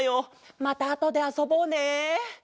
またあとであそぼうね。